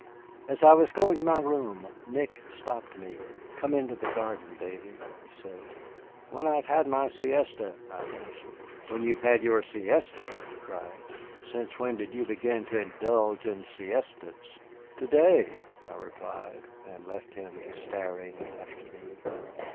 As I was going to my room Nick stopped me. "Come into the garden, Davy," he said. "When I have had my siesta," I answered. "When you have had your siesta!" he cried; "since when did you begin to indulge in siestas?" "To day," I replied, and left him staring after me.